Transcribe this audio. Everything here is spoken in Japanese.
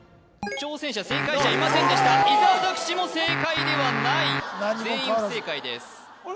挑戦者正解者いませんでした伊沢拓司も正解ではない全員不正解ですあれ？